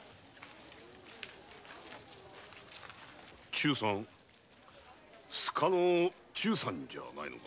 忠さん須賀の忠さんじゃないのか？